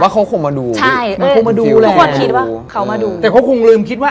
ครั้งเดียว